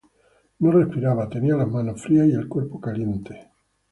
No respiraba, tenía las manos frías y el cuerpo caliente.